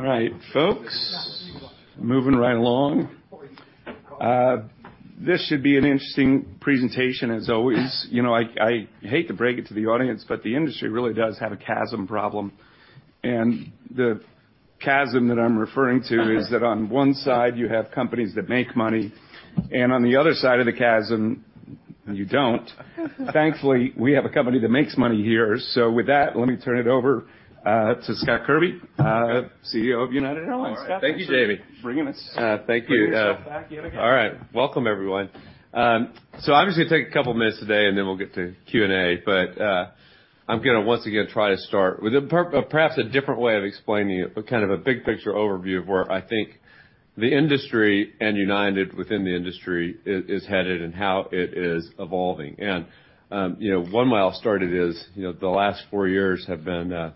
All right, folks, moving right along. This should be an interesting presentation, as always. You know, I, I hate to break it to the audience, but the industry really does have a chasm problem. And the chasm that I'm referring to is that on one side you have companies that make money, and on the other side of the chasm, you don't. Thankfully, we have a company that makes money here. So with that, let me turn it over to Scott Kirby, CEO of United Airlines. Scott, thank you, Jamie. All right, thank you, Devon. Bringing us, thank you. Putting yourself back in again. All right, welcome, everyone. So obviously it'll take a couple minutes today, and then we'll get to Q&A. I'm gonna once again try to start with perhaps a different way of explaining it, but kind of a big picture overview of where I think the industry and United within the industry is headed and how it is evolving. You know, one way I'll start it is, you know, the last four years have been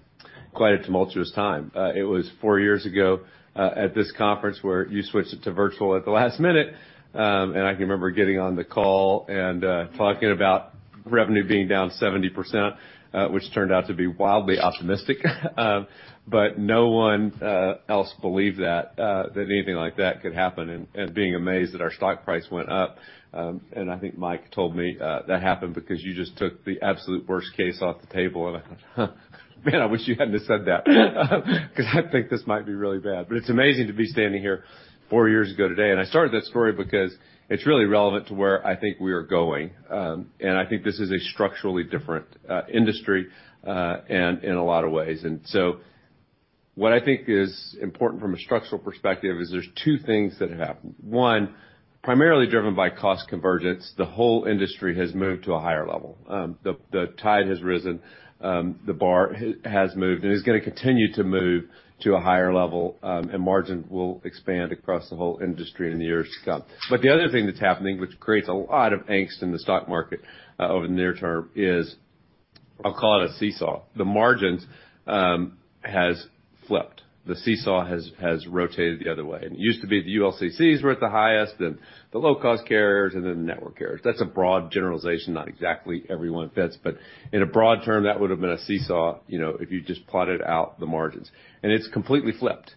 quite a tumultuous time. It was four years ago, at this conference where you switched it to virtual at the last minute. I can remember getting on the call and talking about revenue being down 70%, which turned out to be wildly optimistic. No one else believed that anything like that could happen, and being amazed that our stock price went up. And I think Mike told me that happened because you just took the absolute worst case off the table. And I thought, "Huh, man, I wish you hadn't have said that," 'cause I think this might be really bad. But it's amazing to be standing here four years ago today. And I started that story because it's really relevant to where I think we are going. And I think this is a structurally different industry, in a lot of ways. And so what I think is important from a structural perspective is there's two things that have happened. One, primarily driven by cost convergence, the whole industry has moved to a higher level. The tide has risen. The bar has moved and is gonna continue to move to a higher level. And margin will expand across the whole industry in the years to come. But the other thing that's happening, which creates a lot of angst in the stock market, over the near term, is I'll call it a seesaw. The margins has flipped. The seesaw has rotated the other way. And it used to be the ULCCs were at the highest, then the low-cost carriers, and then the network carriers. That's a broad generalization, not exactly everyone fits. But in a broad term, that would have been a seesaw, you know, if you just plotted out the margins. And it's completely flipped,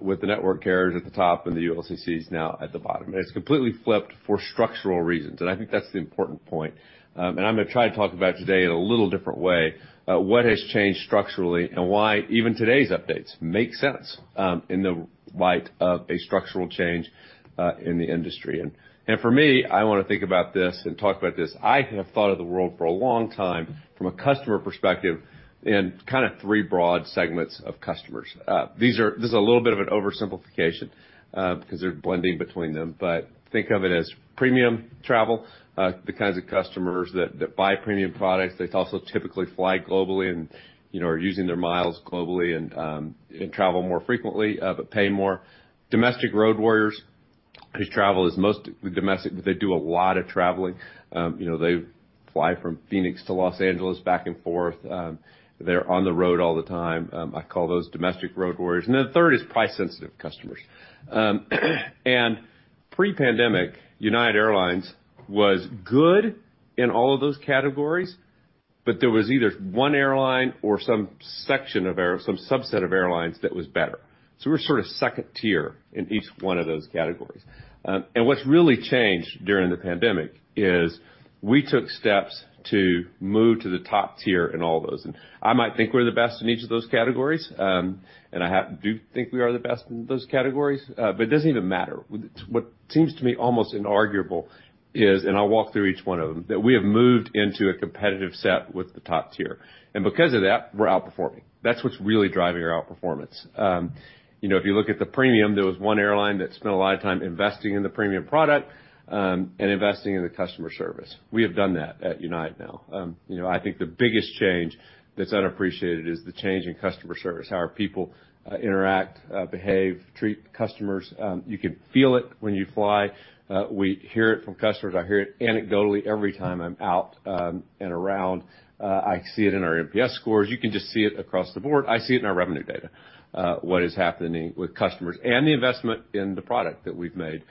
with the network carriers at the top and the ULCCs now at the bottom. And it's completely flipped for structural reasons. And I think that's the important point. And I'm gonna try to talk about today in a little different way what has changed structurally and why even today's updates make sense, in the light of a structural change in the industry. And for me, I wanna think about this and talk about this. I have thought of the world for a long time from a customer perspective in kinda three broad segments of customers. These are; this is a little bit of an oversimplification, 'cause they're blending between them. But think of it as premium travel, the kinds of customers that buy premium products. They also typically fly globally and, you know, are using their miles globally and travel more frequently, but pay more. Domestic road warriors, whose travel is mostly domestic, but they do a lot of traveling. You know, they fly from Phoenix to Los Angeles back and forth. They're on the road all the time. I call those domestic road warriors. And then the third is price-sensitive customers. And pre-pandemic, United Airlines was good in all of those categories, but there was either one airline or some section of air some subset of airlines that was better. So we're sort of second tier in each one of those categories. And what's really changed during the pandemic is we took steps to move to the top tier in all those. And I might think we're the best in each of those categories, and I do think we are the best in those categories, but it doesn't even matter. What seems to me almost inarguable is, and I'll walk through each one of them, that we have moved into a competitive set with the top tier. And because of that, we're outperforming. That's what's really driving our outperformance. You know, if you look at the premium, there was one airline that spent a lot of time investing in the premium product, and investing in the customer service. We have done that at United now. You know, I think the biggest change that's unappreciated is the change in customer service, how our people interact, behave, treat customers. You can feel it when you fly. We hear it from customers. I hear it anecdotally every time I'm out and around. I see it in our MPS scores. You can just see it across the board. I see it in our revenue data, what is happening with customers and the investment in the product that we've made,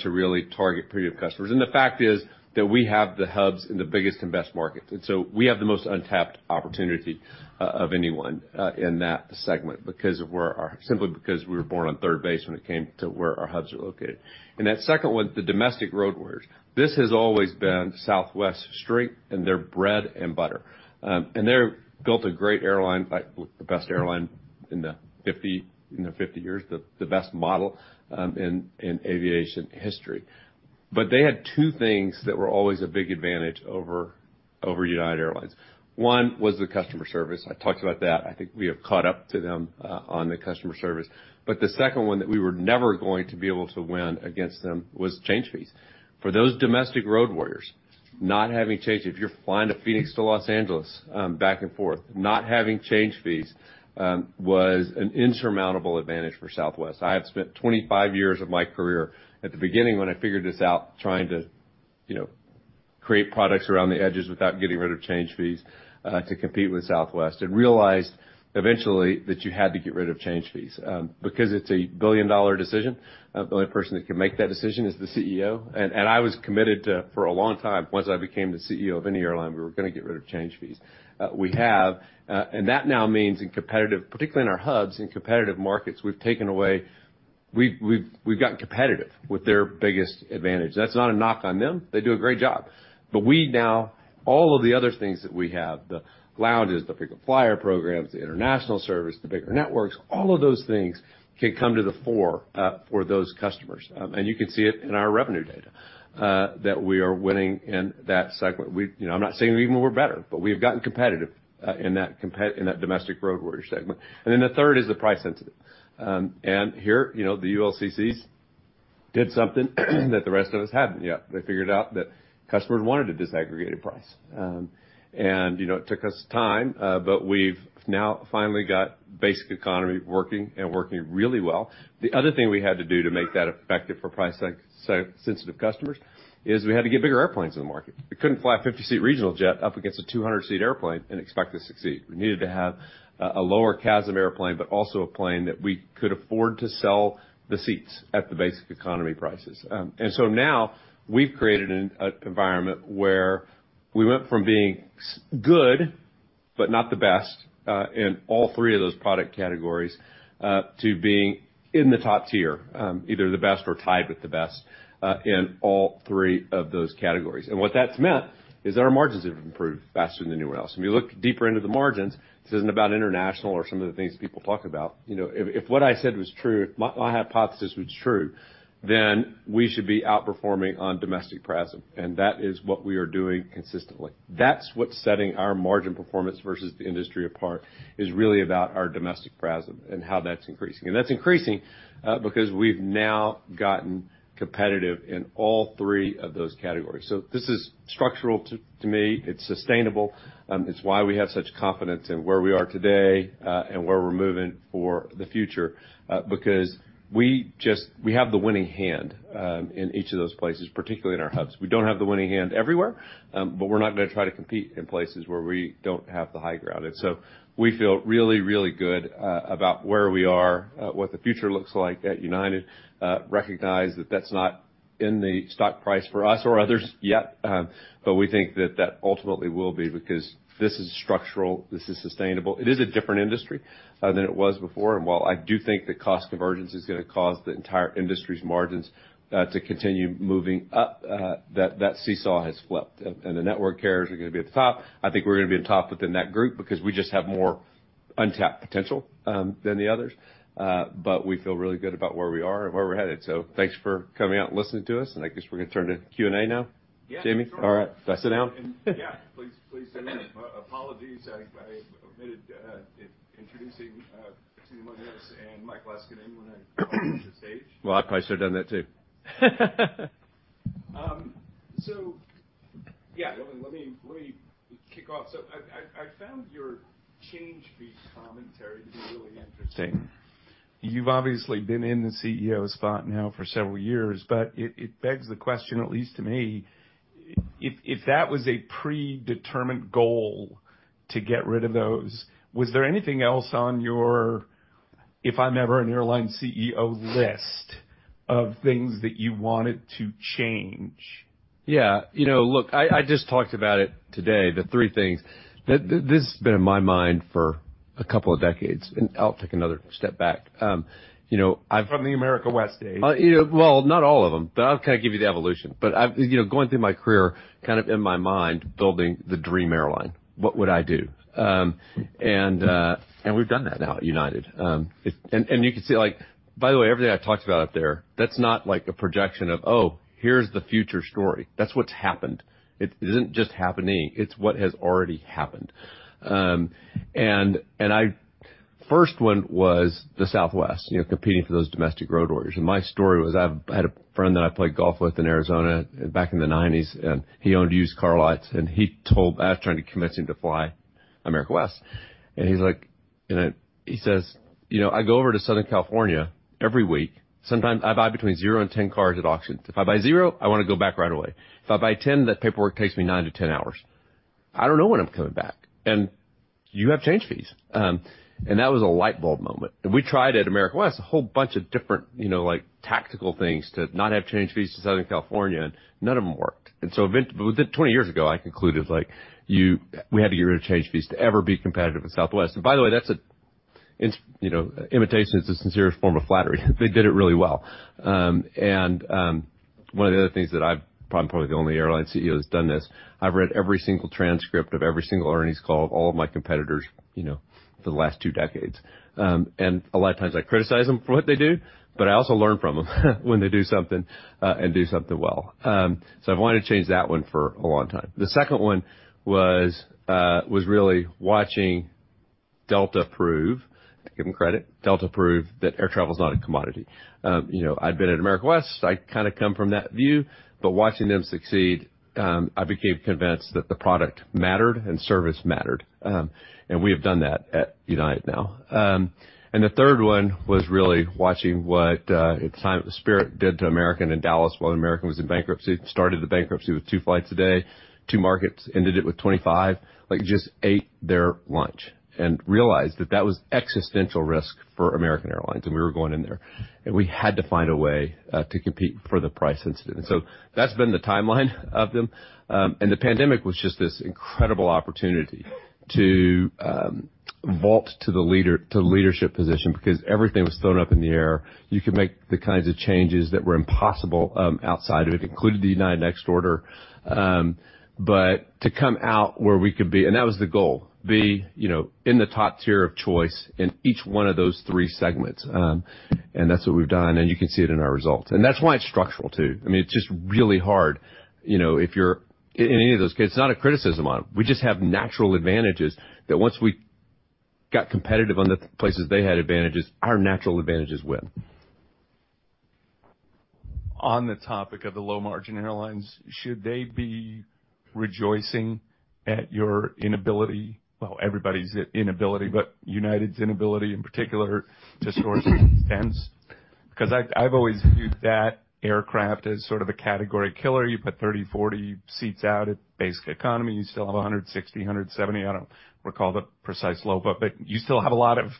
to really target premium customers. And the fact is that we have the hubs in the biggest and best markets. And so we have the most untapped opportunity, of anyone, in that segment because of where ours are simply because we were born on third base when it came to where our hubs are located. That second one, the domestic road warriors, this has always been Southwest's strength, and their bread and butter. They've built a great airline, like, the best airline in the 50 years, the best model, in aviation history. But they had two things that were always a big advantage over United Airlines. One was the customer service. I talked about that. I think we have caught up to them, on the customer service. But the second one that we were never going to be able to win against them was change fees. For those domestic road warriors, not having change fees if you're flying to Phoenix to Los Angeles, back and forth, not having change fees, was an insurmountable advantage for Southwest. I have spent 25 years of my career at the beginning when I figured this out, trying to, you know, create products around the edges without getting rid of change fees, to compete with Southwest and realized eventually that you had to get rid of change fees, because it's a billion-dollar decision. The only person that can make that decision is the CEO. And I was committed to for a long time, once I became the CEO of any airline, we were gonna get rid of change fees. We have, and that now means in competitive, particularly in our hubs, in competitive markets, we've taken away. We've gotten competitive with their biggest advantage. That's not a knock on them. They do a great job. But now all of the other things that we have, the lounges, the frequent flyer programs, the international service, the bigger networks, all of those things can come to the fore for those customers. You can see it in our revenue data that we are winning in that segment. We, you know, I'm not saying even we're better, but we have gotten competitive in that domestic road warrior segment. And then the third is the price-sensitive. Here, you know, the ULCCs did something that the rest of us hadn't yet. They figured out that customers wanted a disaggregated price. You know, it took us time, but we've now finally got basic economy working and working really well. The other thing we had to do to make that effective for price-sensitive customers is we had to get bigger airplanes in the market. We couldn't fly a 50-seat regional jet up against a 200-seat airplane and expect to succeed. We needed to have a lower CASM airplane, but also a plane that we could afford to sell the seats at the basic economy prices. So now we've created an environment where we went from being so good, but not the best, in all three of those product categories, to being in the top tier, either the best or tied with the best, in all three of those categories. And what that's meant is that our margins have improved faster than anywhere else. If you look deeper into the margins, this isn't about international or some of the things people talk about. You know, if what I said was true, if my hypothesis was true, then we should be outperforming on domestic PRASM. That is what we are doing consistently. That's what's setting our margin performance versus the industry apart is really about our domestic PRASM and how that's increasing. That's increasing, because we've now gotten competitive in all three of those categories. This is structural to me. It's sustainable. It's why we have such confidence in where we are today, and where we're moving for the future, because we have the winning hand in each of those places, particularly in our hubs. We don't have the winning hand everywhere, but we're not gonna try to compete in places where we don't have the high ground. And so we feel really, really good about where we are, what the future looks like at United, recognize that that's not in the stock price for us or others yet, but we think that that ultimately will be because this is structural. This is sustainable. It is a different industry than it was before. And while I do think that cost convergence is gonna cause the entire industry's margins to continue moving up, that seesaw has flipped, and the network carriers are gonna be at the top. I think we're gonna be on top within that group because we just have more untapped potential than the others. But we feel really good about where we are and where we're headed. So thanks for coming out and listening to us. And I guess we're gonna turn to Q&A now, Jamie. All right. Sit down. Yeah. Please, please sit down. Apologies. I, I admitted, in introducing, Kristina Munoz and Mike Leskinen when I called you to the stage. Well, I probably should have done that too. So yeah, let me kick off. So I found your change fees commentary to be really interesting. You've obviously been in the CEO spot now for several years, but it begs the question, at least to me, if that was a predetermined goal to get rid of those, was there anything else on your, if I'm ever an airline CEO, list of things that you wanted to change? Yeah. You know, look, I just talked about it today, the three things. This has been in my mind for a couple of decades. And I'll take another step back. You know, I've. From the America West days. You know, well, not all of them, but I'll kinda give you the evolution. But I've, you know, going through my career, kind of in my mind, building the dream airline. What would I do? And we've done that now at United. It and you can see, like, by the way, everything I talked about up there, that's not, like, a projection of, "Oh, here's the future story." That's what's happened. It isn't just happening. It's what has already happened. And the first one was the Southwest, you know, competing for those domestic road warriors. And my story was I've had a friend that I played golf with in Arizona back in the 1990s, and he owned used car lots. And he told I was trying to convince him to fly America West. And he's like, and I, he says, "You know, I go over to Southern California every week. Sometimes I buy between zero and 10 cars at auctions. If I buy zero, I wanna go back right away. If I buy 10, that paperwork takes me nine to 10 hours. I don't know when I'm coming back. And you have change fees." And that was a light bulb moment. We tried at America West a whole bunch of different, you know, like, tactical things to not have change fees to Southern California, and none of them worked. So even within 20 years ago, I concluded, like, we had to get rid of change fees to ever be competitive with Southwest. And by the way, that's an instance, you know, imitation is a sincere form of flattery. They did it really well. One of the other things that I'm probably the only airline CEO that's done this. I've read every single transcript of every single earnings call of all of my competitors, you know, for the last two decades. And a lot of times, I criticize them for what they do, but I also learn from them when they do something, and do something well. So I've wanted to change that one for a long time. The second one was really watching Delta prove, give them credit, Delta prove that air travel's not a commodity. You know, I'd been at America West. I kinda come from that view. But watching them succeed, I became convinced that the product mattered and service mattered. We have done that at United now. And the third one was really watching what, at the time, Spirit did to American in Dulles while American was in bankruptcy. It started the bankruptcy with two flights a day, two markets, ended it with 25, like, just ate their lunch and realized that that was existential risk for American Airlines. And we were going in there. And we had to find a way to compete for the price sensitive. And so that's been the timeline of them. And the pandemic was just this incredible opportunity to vault to the leader to the leadership position because everything was thrown up in the air. You could make the kinds of changes that were impossible outside of it, including the United Next order. But to come out where we could be and that was the goal, you know, in the top tier of choice in each one of those three segments. That's what we've done. You can see it in our results. That's why it's structural too. I mean, it's just really hard, you know, if you're in any of those cases. It's not a criticism on it. We just have natural advantages that once we got competitive on the places they had advantages, our natural advantages win. On the topic of the low-margin airlines, should they be rejoicing at your inability, well, everybody's inability, but United's inability in particular to source MAX 10s? Because I've, I've always viewed that aircraft as sort of a category killer. You put 30, 40 seats out at basic economy. You still have 160, 170. I don't recall the precise low, but, but you still have a lot of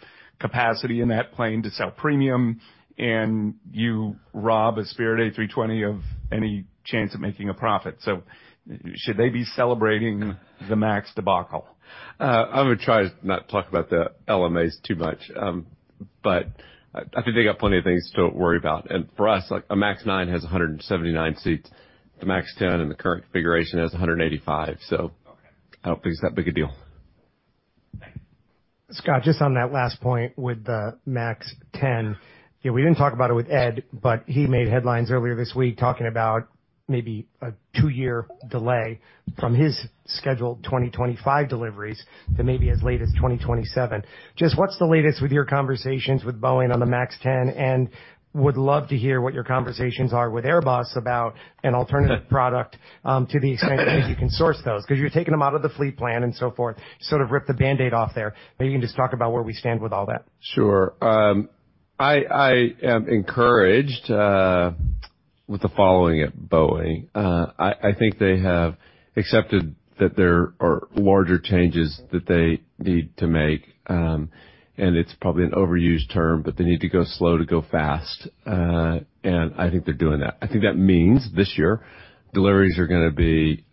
capacity in that plane to sell premium, and you rob a Spirit A320 of any chance of making a profit. So should they be celebrating the MAX debacle? I'm gonna try to not talk about the LMAs too much, but I think they got plenty of things to worry about. For us, like, a MAX 9 has 179 seats. The MAX 10 in the current configuration has 185, so I don't think it's that big a deal. Thanks. Scott, just on that last point with the MAX 10, you know, we didn't talk about it with Ed, but he made headlines earlier this week talking about maybe a two-year delay from his scheduled 2025 deliveries to maybe as late as 2027. Just what's the latest with your conversations with Boeing on the MAX 10? And would love to hear what your conversations are with Airbus about an alternative product, to the extent that maybe you can source those 'cause you're taking them out of the fleet plan and so forth, sort of ripped the Band-Aid off there. Maybe you can just talk about where we stand with all that. Sure. I am encouraged with the following at Boeing. I think they have accepted that there are larger changes that they need to make. And it's probably an overused term, but they need to go slow to go fast. And I think they're doing that. I think that means this year, deliveries are gonna be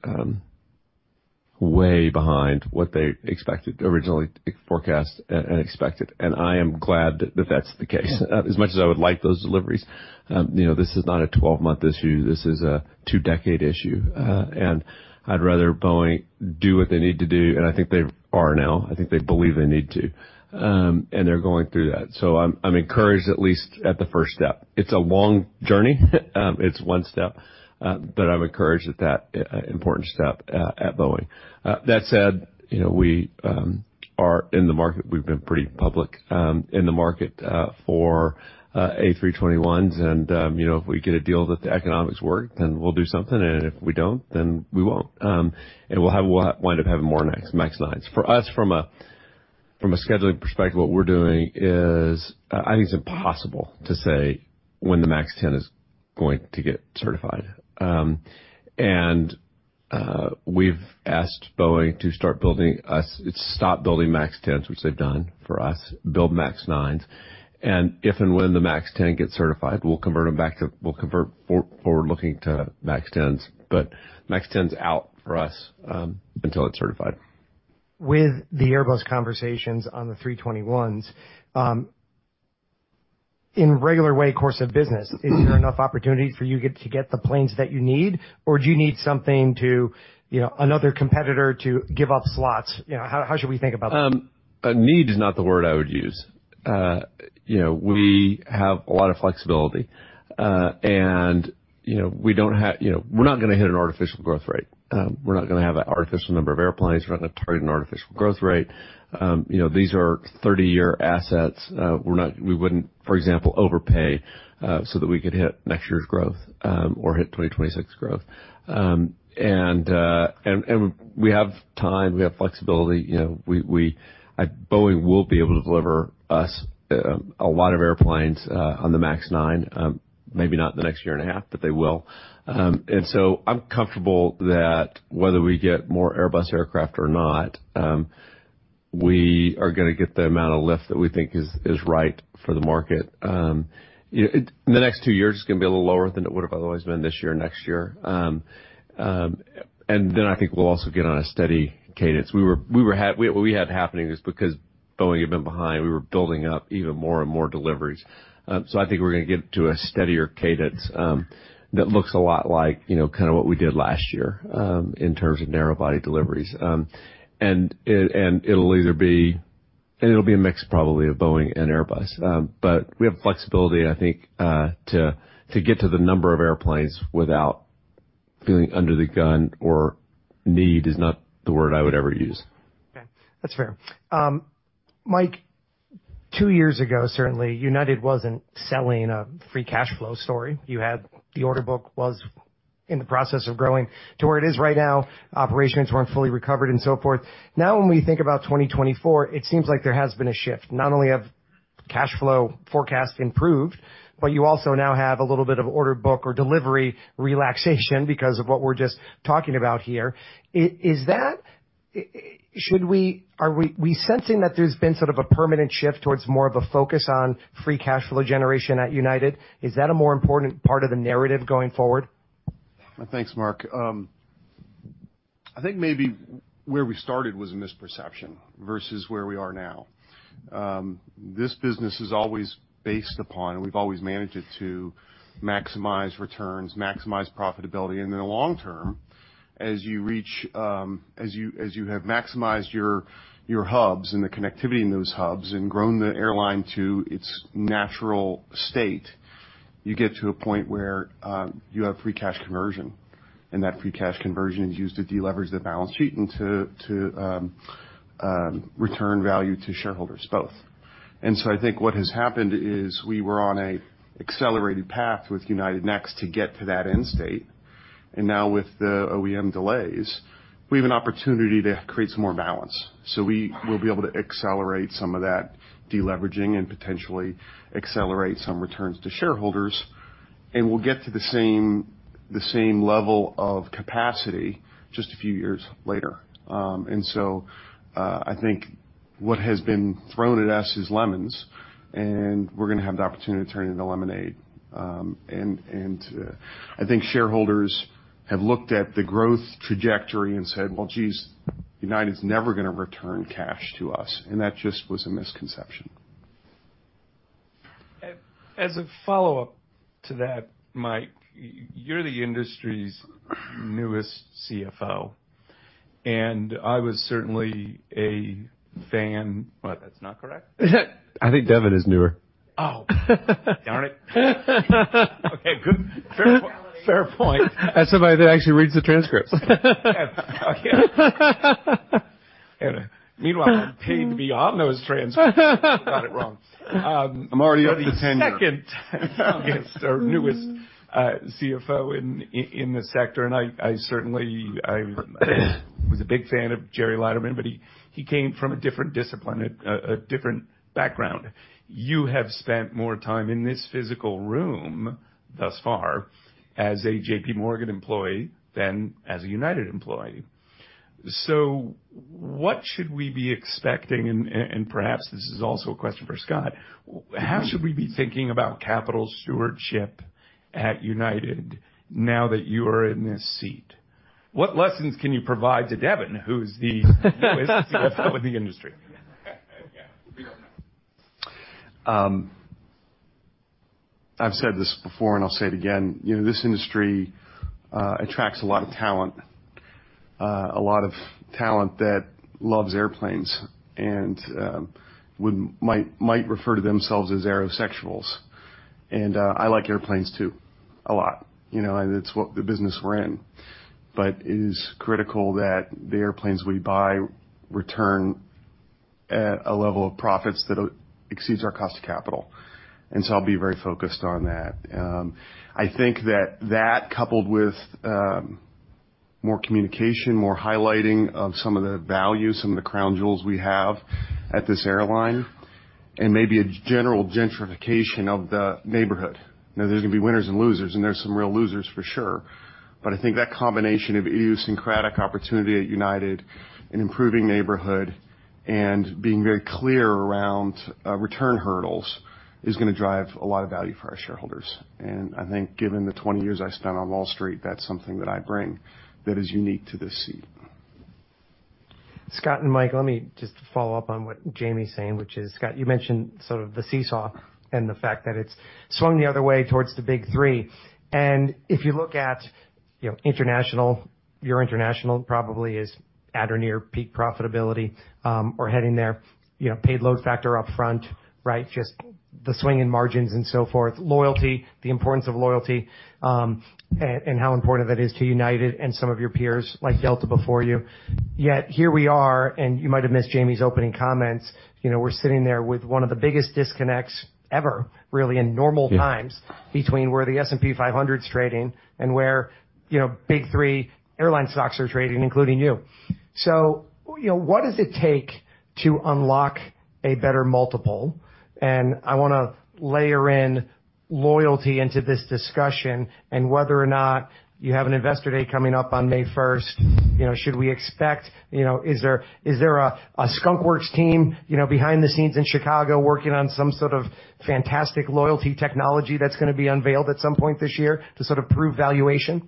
way behind what they expected, originally forecast and expected. And I am glad that that's the case. As much as I would like those deliveries, you know, this is not a 12-month issue. This is a two-decade issue. And I'd rather Boeing do what they need to do. And I think they are now. I think they believe they need to. And they're going through that. So I'm encouraged, at least at the first step. It's a long journey. It's one step, but I'm encouraged at that important step at Boeing. That said, you know, we are in the market. We've been pretty public in the market for A321s. And, you know, if we get a deal that the economics work, then we'll do something. And if we don't, then we won't. And we'll wind up having more MAX 9s. For us, from a scheduling perspective, what we're doing is, I think it's impossible to say when the MAX 10 is going to get certified. And we've asked Boeing to start building us. It's stopped building Max 10s, which they've done for us, build MAX 9s. And if and when the Max 10 gets certified, we'll convert them back to we'll convert forward-looking to Max 10s. But Max 10's out for us until it's certified. With the Airbus conversations on the 321s, in the regular course of business, is there enough opportunity for you to get the planes that you need, or do you need something to, you know, another competitor to give up slots? You know, how, how should we think about that? Need is not the word I would use. You know, we have a lot of flexibility. And, you know, we don't ha you know, we're not gonna hit an artificial growth rate. We're not gonna have an artificial number of airplanes. We're not gonna target an artificial growth rate. You know, these are 30-year assets. We're not we wouldn't, for example, overpay, so that we could hit next year's growth, or hit 2026's growth. And, and, and we have time. We have flexibility. You know, we, we I Boeing will be able to deliver us, a lot of airplanes, on the Max 9, maybe not the next year and a half, but they will. And so I'm comfortable that whether we get more Airbus aircraft or not, we are gonna get the amount of lift that we think is, is right for the market. You know, it'll in the next two years, it's gonna be a little lower than it would have otherwise been this year, next year. And then I think we'll also get on a steady cadence. We were having just because Boeing had been behind. We were building up even more and more deliveries. So I think we're gonna get to a steadier cadence that looks a lot like, you know, kinda what we did last year, in terms of narrow-body deliveries. And it'll be a mix, probably, of Boeing and Airbus. But we have flexibility, I think, to get to the number of airplanes without feeling under the gun or need is not the word I would ever use. Okay. That's fair. Mike, two years ago, certainly, United wasn't selling a free cash flow story. You had the order book was in the process of growing to where it is right now. Operations weren't fully recovered and so forth. Now, when we think about 2024, it seems like there has been a shift. Not only have cash flow forecasts improved, but you also now have a little bit of order book or delivery relaxation because of what we're just talking about here. Is that... are we sensing that there's been sort of a permanent shift towards more of a focus on free cash flow generation at United? Is that a more important part of the narrative going forward? Thanks, Jamie. I think maybe where we started was a misperception versus where we are now. This business is always based upon and we've always managed it to maximize returns, maximize profitability. And then long term, as you reach, as you have maximized your, your hubs and the connectivity in those hubs and grown the airline to its natural state, you get to a point where, you have free cash conversion. And that free cash conversion is used to deleverage the balance sheet and to, return value to shareholders, both. And so I think what has happened is we were on an accelerated path with United Next to get to that end state. And now, with the OEM delays, we have an opportunity to create some more balance. So we will be able to accelerate some of that deleveraging and potentially accelerate some returns to shareholders. We'll get to the same the same level of capacity just a few years later. So, I think what has been thrown at us is lemons. We're gonna have the opportunity to turn into lemonade, and I think shareholders have looked at the growth trajectory and said, "Well, geez, United's never gonna return cash to us." That just was a misconception. As a follow-up to that, Mike, you're the industry's newest CFO. I was certainly a fan. What? That's not correct. I think Devin is newer. Oh, darn it. Okay. Good. Fair point. Fair point. That's somebody that actually reads the transcripts. Yeah. Oh, yeah. And meanwhile, I'm paid to be on those transcripts. I got it wrong. I'm already up to 10 years. I'm the second newest CFO in the sector. And I certainly was a big fan of Gerry Laderman, but he came from a different discipline, a different background. You have spent more time in this physical room thus far as a J.P. Morgan employee than as a United employee. So what should we be expecting? And perhaps this is also a question for Scott. How should we be thinking about capital stewardship at United now that you are in this seat? What lessons can you provide to Devin, who is the newest CFO in the industry? I've said this before, and I'll say it again. You know, this industry attracts a lot of talent, a lot of talent that loves airplanes and might refer to themselves as aerosexuals. And I like airplanes too a lot. You know, and it's what the business we're in. But it is critical that the airplanes we buy return at a level of profits that exceeds our cost of capital. And so I'll be very focused on that. I think that coupled with more communication, more highlighting of some of the value, some of the crown jewels we have at this airline, and maybe a general gentrification of the neighborhood. Now, there's gonna be winners and losers, and there's some real losers for sure. I think that combination of idiosyncratic opportunity at United and improving neighborhood and being very clear around return hurdles is gonna drive a lot of value for our shareholders. I think given the 20 years I spent on Wall Street, that's something that I bring that is unique to this seat. Scott and Mike, let me just follow up on what Jamie's saying, which is Scott, you mentioned sort of the seesaw and the fact that it's swung the other way towards the big three. And if you look at, you know, international, your international probably is at or near peak profitability, or heading there, you know, paid load factor up front, right, just the swing in margins and so forth, loyalty, the importance of loyalty, and, and how important that is to United and some of your peers like Delta before you. Yet here we are, and you might have missed Jamie's opening comments, you know, we're sitting there with one of the biggest disconnects ever, really, in normal times between where the S&P 500's trading and where, you know, big three airline stocks are trading, including you. So, you know, what does it take to unlock a better multiple? I wanna layer in loyalty into this discussion and whether or not you have an investor day coming up on May 1st. You know, should we expect, you know, is there a Skunk Works team, you know, behind the scenes in Chicago working on some sort of fantastic loyalty technology that's gonna be unveiled at some point this year to sort of prove valuation?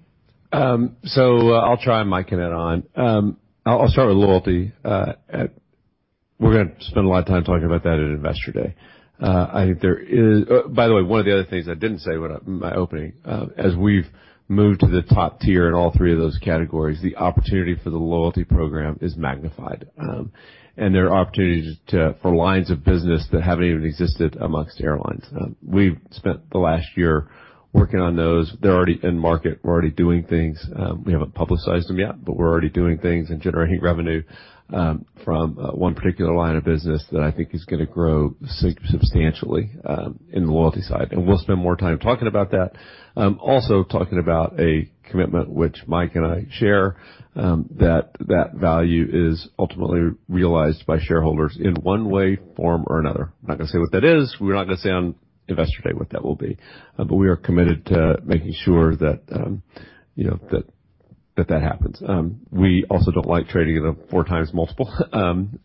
So, I'll try and mic him in on. I'll start with loyalty. We're gonna spend a lot of time talking about that at Investor Day. I think there is, by the way, one of the other things I didn't say when in my opening, as we've moved to the top tier in all three of those categories, the opportunity for the loyalty program is magnified. And there are opportunities for lines of business that haven't even existed amongst airlines. We've spent the last year working on those. They're already in market. We're already doing things. We haven't publicized them yet, but we're already doing things and generating revenue from one particular line of business that I think is gonna grow substantially in the loyalty side. We'll spend more time talking about that, also talking about a commitment which Mike and I share, that that value is ultimately realized by shareholders in one way, form, or another. I'm not gonna say what that is. We're not gonna say on investor day what that will be. But we are committed to making sure that, you know, that that happens. We also don't like trading at a 4x multiple,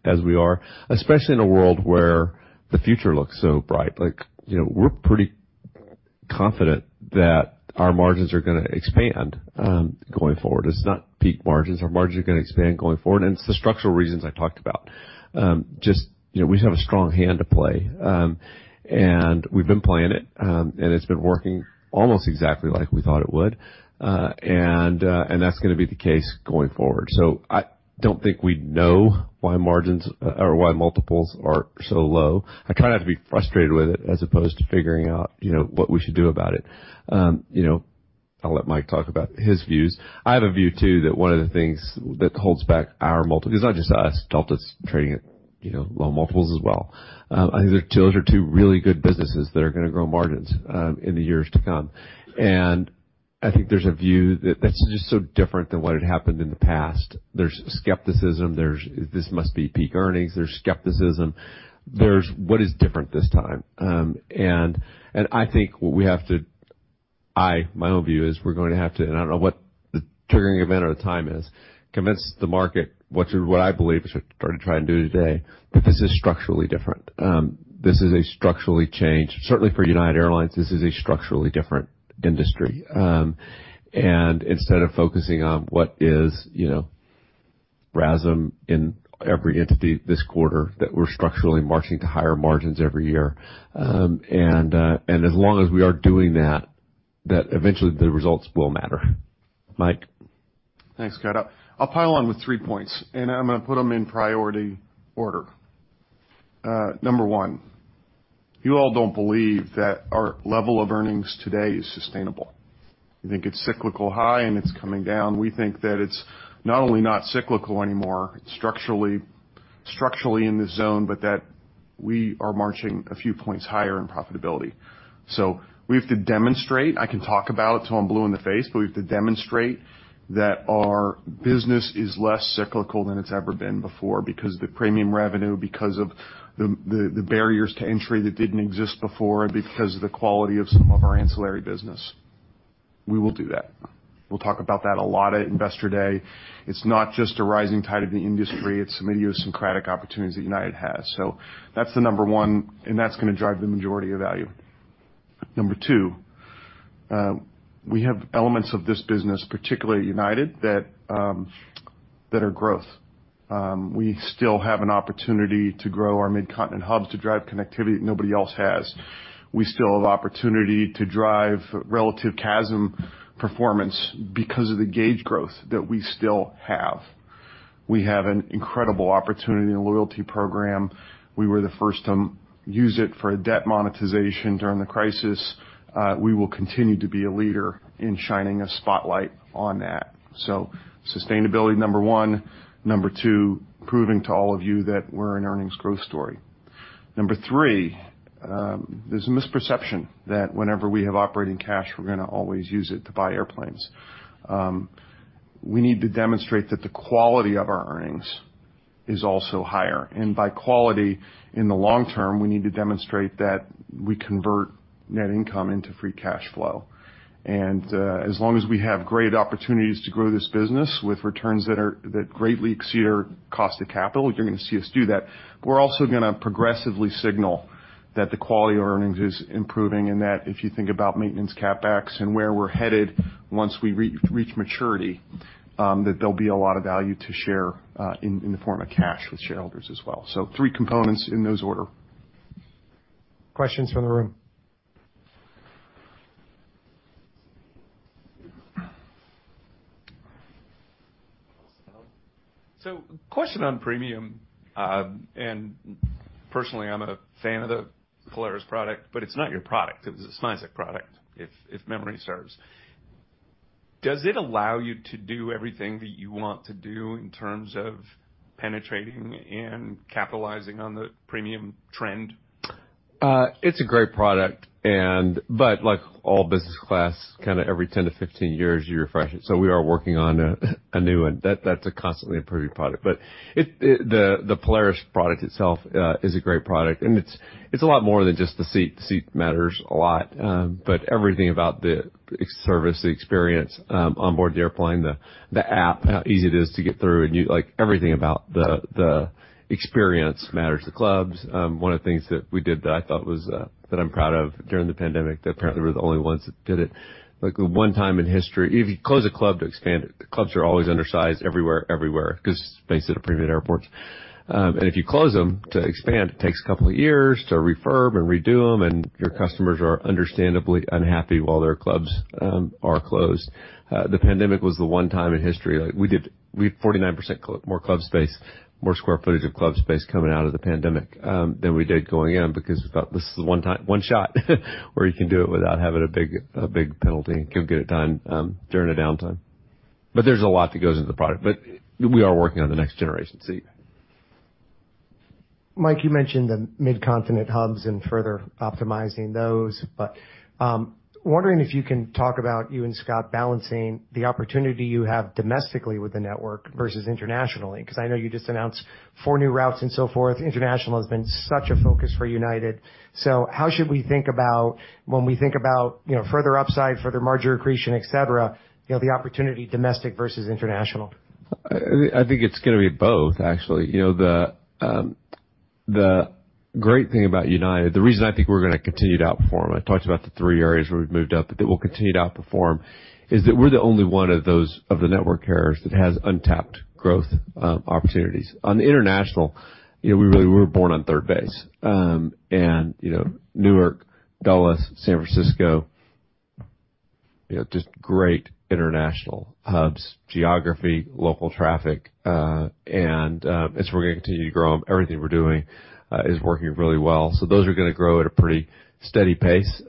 as we are, especially in a world where the future looks so bright. Like, you know, we're pretty confident that our margins are gonna expand going forward. It's not peak margins. Our margins are gonna expand going forward. And it's the structural reasons I talked about, just, you know, we just have a strong hand to play. And we've been playing it, and it's been working almost exactly like we thought it would. And, and that's gonna be the case going forward. So I don't think we know why margins, or why multiples are so low. I try not to be frustrated with it as opposed to figuring out, you know, what we should do about it. You know, I'll let Mike talk about his views. I have a view too that one of the things that holds back our multiple because it's not just us. Delta's trading at, you know, low multiples as well. I think those are two really good businesses that are gonna grow margins, in the years to come. And I think there's a view that that's just so different than what had happened in the past. There's skepticism. There's, "This must be peak earnings." There's skepticism. There's "What is different this time?" and I think what we have to, my own view is we're going to have to and I don't know what the triggering event or the time is, convince the market what I believe, which I started trying to do today, that this is structurally different. This is a structurally changed certainly for United Airlines, this is a structurally different industry. And instead of focusing on what is, you know, RASM in every entity this quarter, that we're structurally marching to higher margins every year. And as long as we are doing that, that eventually the results will matter. Mike? Thanks, Scott. I'll, I'll pile on with three points. I'm gonna put them in priority order. Number one, you all don't believe that our level of earnings today is sustainable. You think it's cyclical high, and it's coming down. We think that it's not only not cyclical anymore, it's structurally, structurally in the zone, but that we are marching a few points higher in profitability. So we have to demonstrate. I can talk about it till I'm blue in the face, but we have to demonstrate that our business is less cyclical than it's ever been before because of the premium revenue, because of the, the, the barriers to entry that didn't exist before, and because of the quality of some of our ancillary business. We will do that. We'll talk about that a lot at investor day. It's not just a rising tide of the industry. It's some idiosyncratic opportunities that United has. So that's the number one. And that's gonna drive the majority of value. Number two, we have elements of this business, particularly at United, that, that are growth. We still have an opportunity to grow our midcontinent hubs to drive connectivity that nobody else has. We still have opportunity to drive relative CASM performance because of the gauge growth that we still have. We have an incredible opportunity in the loyalty program. We were the first to use it for debt monetization during the crisis. We will continue to be a leader in shining a spotlight on that. So sustainability, number one. Number two, proving to all of you that we're an earnings growth story. Number three, there's a misperception that whenever we have operating cash, we're gonna always use it to buy airplanes. We need to demonstrate that the quality of our earnings is also higher. And by quality, in the long term, we need to demonstrate that we convert net income into free cash flow. And, as long as we have great opportunities to grow this business with returns that are that greatly exceed our cost of capital, you're gonna see us do that. But we're also gonna progressively signal that the quality of earnings is improving and that if you think about maintenance capex and where we're headed once we reach maturity, that there'll be a lot of value to share, in the form of cash with shareholders as well. So three components in those order. Questions from the room? Question on premium. Personally, I'm a fan of the Polaris product, but it's not your product. It was a Continental product, if memory serves. Does it allow you to do everything that you want to do in terms of penetrating and capitalizing on the premium trend? It's a great product. But like all business class, kinda every 10-15 years, you refresh it. So we are working on a new one. That's a constantly improving product. But the Polaris product itself is a great product. And it's a lot more than just the seat. The seat matters a lot, but everything about the service, the experience, onboard the airplane, the app, how easy it is to get through, and like, everything about the experience matters. The clubs, one of the things that we did that I'm proud of during the pandemic, that apparently we're the only ones that did it, like the one time in history if you close a club to expand it, the clubs are always undersized everywhere, everywhere because space at a premium airports. If you close them to expand, it takes a couple of years to refurb and redo them, and your customers are understandably unhappy while their clubs are closed. The pandemic was the one time in history. Like, we had 49% more club space, more square footage of club space coming out of the pandemic than we did going in because we thought, "This is the one time, one shot where you can do it without having a big penalty and get it done during a downtime." But there's a lot that goes into the product. But we are working on the next generation seat. Mike, you mentioned the midcontinent hubs and further optimizing those. But, wondering if you can talk about, you and Scott, balancing the opportunity you have domestically with the network versus internationally because I know you just announced four new routes and so forth. International has been such a focus for United. So how should we think about when we think about, you know, further upside, further margin accretion, etc., you know, the opportunity domestic versus international? I think it's gonna be both, actually. You know, the great thing about United—the reason I think we're gonna continue to outperform—I talked about the three areas where we've moved up that we'll continue to outperform—is that we're the only one of those network carriers that has untapped growth opportunities. On the international, you know, we really—we were born on third base. And, you know, Newark, Dallas, San Francisco—you know, just great international hubs, geography, local traffic. And, as we're gonna continue to grow them, everything we're doing is working really well. So those are gonna grow at a pretty steady pace.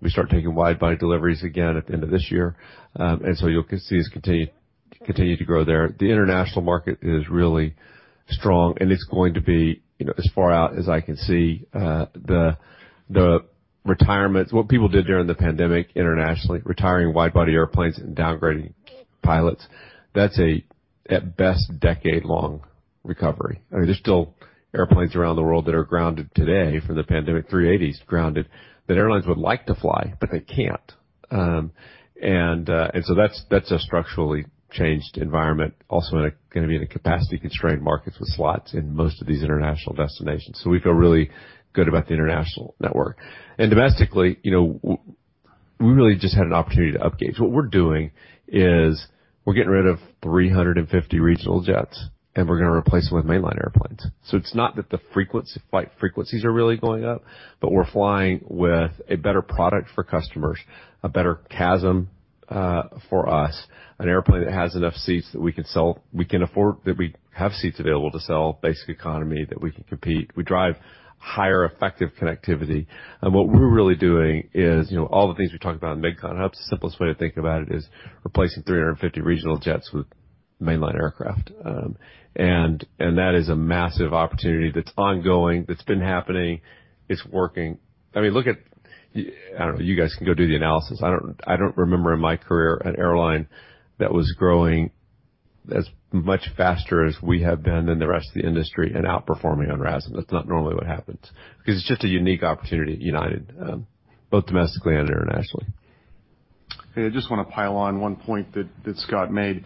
We start taking wide-body deliveries again at the end of this year. And so you'll see us continue, continue to grow there. The international market is really strong, and it's going to be, you know, as far out as I can see, the retirements what people did during the pandemic internationally, retiring wide-body airplanes and downgrading pilots, that's at best a decade-long recovery. I mean, there's still airplanes around the world that are grounded today from the pandemic, 380s grounded, that airlines would like to fly, but they can't. And so that's a structurally changed environment also. It's gonna be in a capacity-constrained market with slots in most of these international destinations. So we feel really good about the international network. And domestically, you know, we really just had an opportunity to upgauge. What we're doing is we're getting rid of 350 regional jets, and we're gonna replace them with mainline airplanes. So it's not that the frequency flight frequencies are really going up, but we're flying with a better product for customers, a better CASM for us, an airplane that has enough seats that we can sell, we can afford, that we have seats available to sell, basic economy, that we can compete. We drive higher effective connectivity. And what we're really doing is, you know, all the things we talk about in midcontinent hubs; the simplest way to think about it is replacing 350 regional jets with mainline aircraft. And that is a massive opportunity that's ongoing, that's been happening. It's working. I mean, look at y. I don't know. You guys can go do the analysis. I don't remember in my career an airline that was growing as much faster as we have been than the rest of the industry and outperforming on RASM. That's not normally what happens because it's just a unique opportunity, United, both domestically and internationally. Hey, I just wanna pile on one point that Scott made.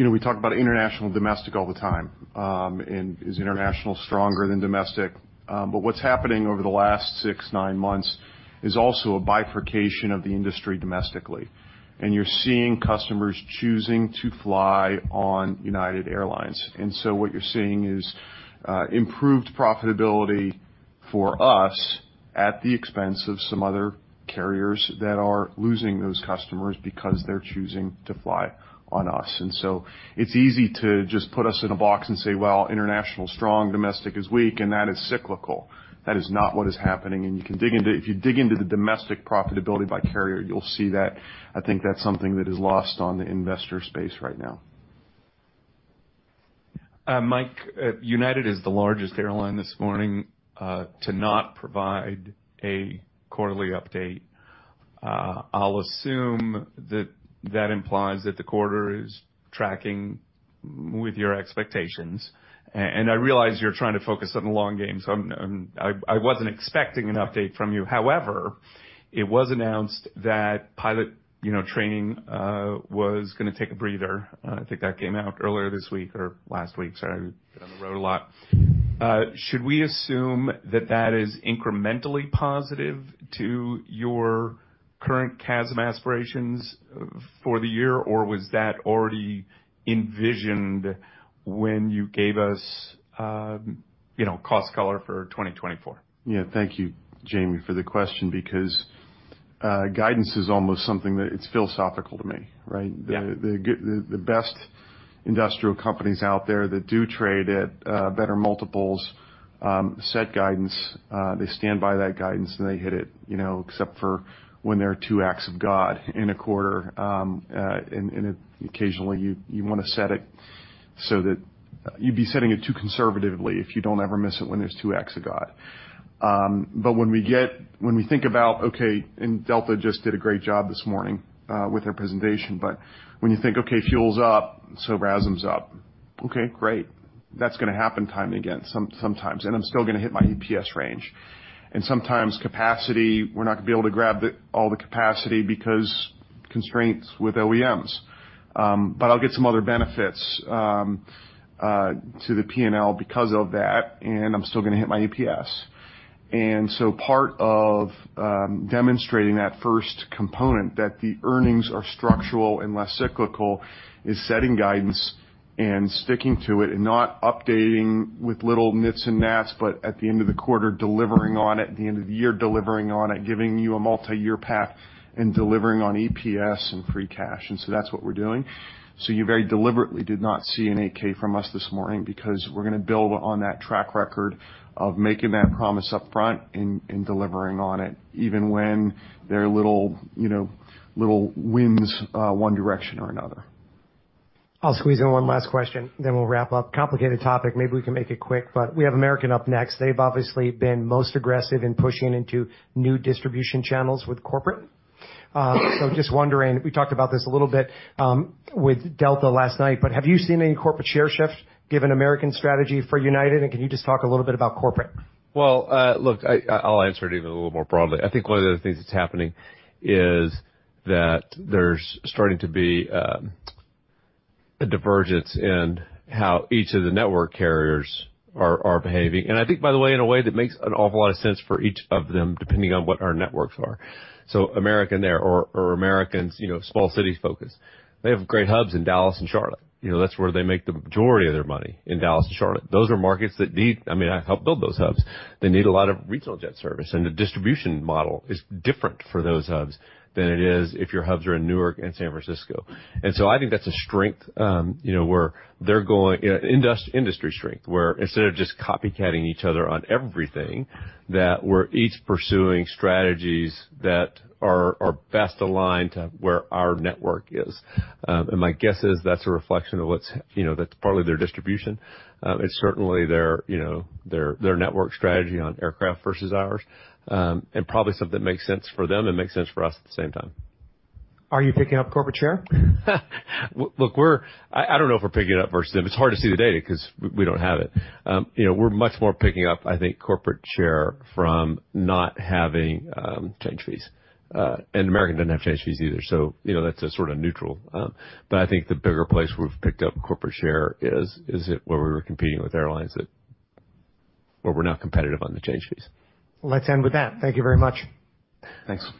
You know, we talk about international and domestic all the time. Is international stronger than domestic? What's happening over the last six-nine months is also a bifurcation of the industry domestically. You're seeing customers choosing to fly on United Airlines. What you're seeing is improved profitability for us at the expense of some other carriers that are losing those customers because they're choosing to fly on us. It's easy to just put us in a box and say, "Well, international's strong. Domestic is weak." That is cyclical. That is not what is happening. You can dig into the domestic profitability by carrier, you'll see that I think that's something that is lost on the investor space right now. Mike, United is the largest airline this morning to not provide a quarterly update. I'll assume that that implies that the quarter is tracking with your expectations. And I realize you're trying to focus on the long game, so I'm. I wasn't expecting an update from you. However, it was announced that pilot, you know, training was gonna take a breather. I think that came out earlier this week or last week. Sorry. I get on the road a lot. Should we assume that that is incrementally positive to your current CASM aspirations for the year, or was that already envisioned when you gave us, you know, color for 2024? Yeah. Thank you, Jamie, for the question because guidance is almost something that it's philosophical to me, right? The good, the best industrial companies out there that do trade at better multiples set guidance. They stand by that guidance, and they hit it, you know, except for when there are two acts of God in a quarter. And occasionally, you wanna set it so that you'd be setting it too conservatively if you don't ever miss it when there's two acts of God. But when we think about "Okay" and Delta just did a great job this morning with their presentation. But when you think, "Okay. Fuels up, so RASM's up." Okay. Great. That's gonna happen time and again sometimes. And I'm still gonna hit my EPS range. Sometimes, capacity, we're not gonna be able to grab all the capacity because of constraints with OEMs. But I'll get some other benefits to the P&L because of that, and I'm still gonna hit my EPS. So part of demonstrating that first component, that the earnings are structural and less cyclical, is setting guidance and sticking to it and not updating with little nits and nats, but at the end of the quarter, delivering on it, at the end of the year, delivering on it, giving you a multi-year path, and delivering on EPS and free cash. So that's what we're doing. You very deliberately did not see an 8K from us this morning because we're gonna build on that track record of making that promise upfront and delivering on it even when there are little, you know, little winds, one direction or another. I'll squeeze in one last question, then we'll wrap up. Complicated topic. Maybe we can make it quick, but we have American up next. They've obviously been most aggressive in pushing into new distribution channels with corporate. So just wondering we talked about this a little bit, with Delta last night, but have you seen any corporate share shift given American's strategy for United? And can you just talk a little bit about corporate? Well, look, I'll answer it even a little more broadly. I think one of the other things that's happening is that there's starting to be a divergence in how each of the network carriers are behaving. And I think, by the way, in a way that makes an awful lot of sense for each of them depending on what our networks are. So American there or Americans, you know, small-cities focus. They have great hubs in Dallas and Charlotte. You know, that's where they make the majority of their money, in Dallas and Charlotte. Those are markets that need. I mean, I helped build those hubs. They need a lot of regional jet service. And the distribution model is different for those hubs than it is if your hubs are in Newark and San Francisco. And so I think that's a strength, you know, where they're going, you know, industry strength, where instead of just copycatting each other on everything, that we're each pursuing strategies that are best aligned to where our network is. And my guess is that's a reflection of what's, you know, that's partly their distribution. It's certainly their, you know, their network strategy on aircraft versus ours, and probably something that makes sense for them and makes sense for us at the same time. Are you picking up corporate share? Look, we're—I don't know if we're picking it up versus them. It's hard to see the data because we don't have it. You know, we're much more picking up, I think, corporate share from not having change fees. And American doesn't have change fees either. So, you know, that's a sort of neutral, but I think the bigger place we've picked up corporate share is it where we were competing with airlines that where we're now competitive on the change fees. Let's end with that. Thank you very much. Thanks.